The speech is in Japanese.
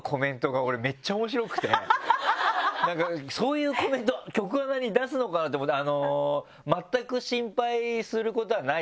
なんかそういうコメント局アナに出すのかなって思った。